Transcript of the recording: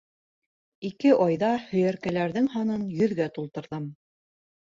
Ике айҙа һөйәркәләрҙең һанын йөҙгә тултырҙым.